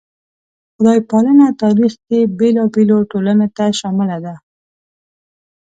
خدای پالنه تاریخ کې بېلابېلو ټولنو ته شامله ده.